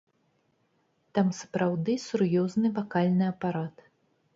Там сапраўды сур'ёзны вакальны апарат.